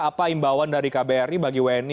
apa imbauan dari kbri bagi wni